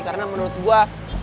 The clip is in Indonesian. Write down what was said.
karena menurut gua